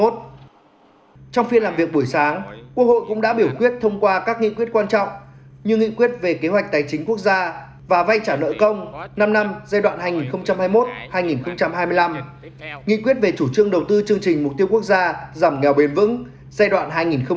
trong phiên làm việc buổi sáng quốc hội cũng đã biểu quyết thông qua các nghị quyết quan trọng như nghị quyết về kế hoạch tài chính quốc gia và vay trả nợ công năm năm giai đoạn hai nghìn hai mươi một hai nghìn hai mươi năm nghị quyết về chủ trương đầu tư chương trình mục tiêu quốc gia giảm nghèo bền vững giai đoạn hai nghìn hai mươi một hai nghìn hai mươi năm